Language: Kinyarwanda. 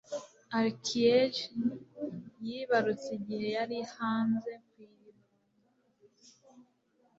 archieg yibarutse igihe yari hanze ku iriba